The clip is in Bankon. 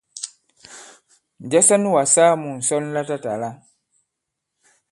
Njɛ sɔ nu kà-saa mu ŋ̀sɔn latatàla?